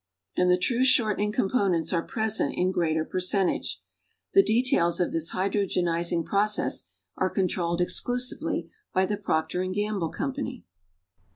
And the true shortening components are present in greater percentage. The details of this hydrogenizing process are controlled exclusively by The Procter &; Gamble Company.